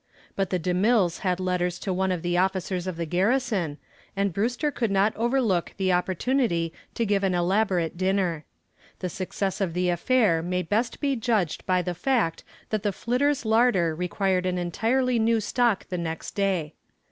But the DeMilles had letters to one of the officers of the garrison, and Brewster could not overlook the opportunity to give an elaborate dinner. The success of the affair may best be judged by the fact that the "Flitter's" larder required an entirely new stock the next day.